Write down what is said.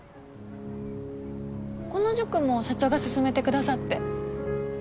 この塾も社長が勧めてくださって。